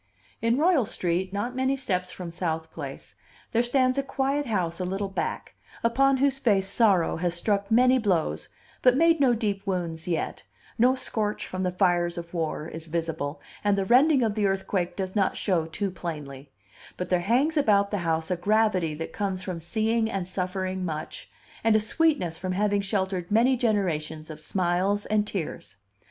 In Royal Street, not many steps from South Place, there stands a quiet house a little back, upon whose face sorrow has struck many blows, but made no deep wounds yet; no scorch from the fires of war is visible, and the rending of the earthquake does not show too plainly; but there hangs about the house a gravity that comes from seeing and suffering much, and a sweetness from having sheltered many generations of smiles and tears.